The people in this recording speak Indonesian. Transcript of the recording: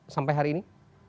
sampai hari ini